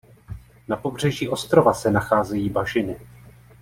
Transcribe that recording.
Na pobřeží ostrova se nacházejí bažiny.